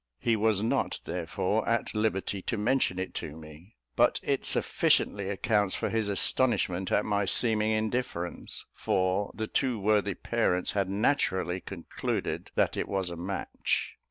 He was not, therefore, at liberty to mention it to me; but it sufficiently accounts for his astonishment at my seeming indifference; for the two worthy parents had naturally concluded that it was a match.